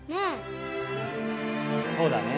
そうだね。